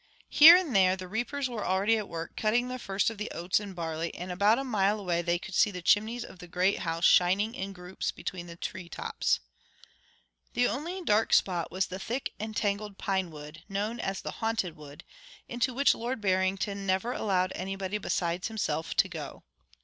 Here and there the reapers were already at work cutting the first of the oats and barley, and about a mile away they could see the chimneys of the great house shining in groups between the tree tops. The only dark spot was the thick and tangled pinewood, known as the Haunted Wood, into which Lord Barrington never allowed anybody besides himself to go.